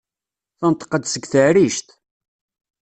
Tenṭeq-d seg teɛrict.